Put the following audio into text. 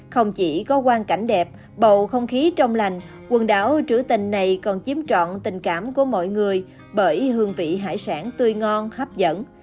không chỉ có quan cảnh đẹp bầu không khí trong lành quần đảo trữ tình này còn chiếm trọn tình cảm của mọi người bởi hương vị hải sản tươi ngon hấp dẫn